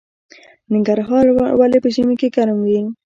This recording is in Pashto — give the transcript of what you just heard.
ننګرهار ولې په ژمي کې ګرم وي؟